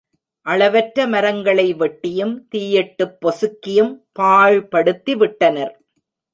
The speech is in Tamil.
அளவற்ற மரங்களை வெட்டியும், தீயிட்டுப் பொசுக்கியும் பாழ்படுத்தி விட்டனர்.